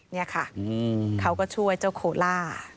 นี่ค่ะเขาก็ช่วยเจ้าโคล่า